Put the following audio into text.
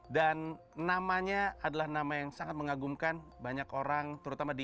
dan namanya adalah nama yang sangat mengagumkan banyak orang terutama di